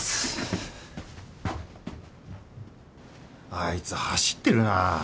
あいつ走ってるな。